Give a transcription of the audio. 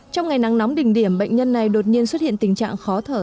trong ngày nắng nóng đỉnh điểm bệnh nhân này đột nhiên xuất hiện tình trạng khó thở